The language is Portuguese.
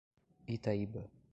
Itaíba